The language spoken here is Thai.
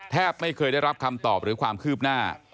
ไม่เคยได้รับคำตอบหรือความคืบหน้า